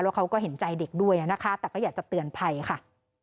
เขาก็เห็นใจเด็กด้วยนะคะแต่ก็อยากจะเตือนภัยค่ะ